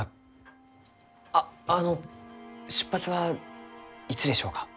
ああの出発はいつでしょうか？